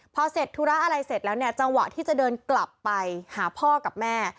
พอเสร็จธุระอะไรเสร็จแล้วเนี่ยจังหวะที่จะเดินกลับไปหาพ่อกับแม่